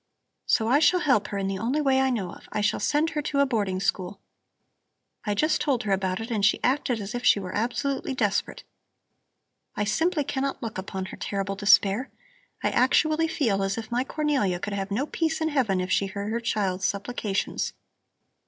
"So I shall help her in the only way I know of: I shall send her to a boarding school. I just told her about it and she acted as if she were absolutely desperate. I simply cannot look upon her terrible despair. I actually feel as if my Cornelia could have no peace in Heaven if she heard her child's supplications."